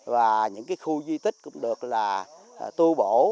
và những khu di tích cũng được là tu bổ